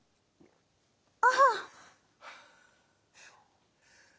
ああ。